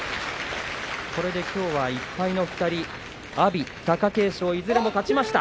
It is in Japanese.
これで、きょうは１敗の２人阿炎、貴景勝いずれも勝ちました。